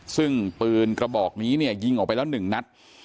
ซึ่งปืนกระบอกนี้เนี่ยยิงออกไปแล้ว๑นัด